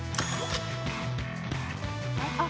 あっ。